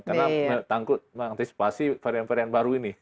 karena mengantisipasi varian varian baru ini